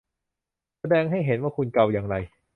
แสดงให้เห็นว่าคุณเกาอย่างไร